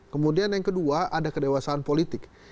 kemudian yang kedua ada kedewasaan politik